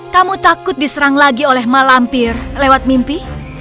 kamu takut diserang lagi oleh malampir lewat mimpi